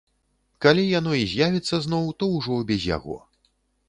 Калі яно і з'явіцца зноў, то ўжо без яго.